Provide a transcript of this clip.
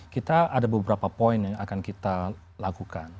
kita ada beberapa poin yang akan kita lakukan